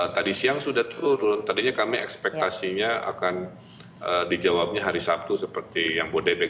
tadi siang sudah turun tadinya kami ekspektasinya akan dijawabnya hari sabtu seperti yang bodebek